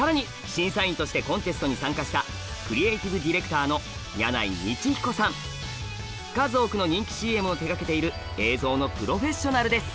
審査員としてコンテストに参加した数多くの人気ＣＭを手がけている映像のプロフェッショナルです！